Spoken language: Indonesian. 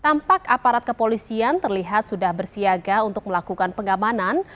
tampak aparat kepolisian terlihat sudah bersiaga untuk melakukan pengamanan